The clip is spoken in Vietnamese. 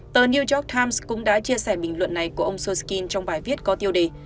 tờ new york times cũng đã chia sẻ bình luận này của ông soustin trong bài viết có tiêu đề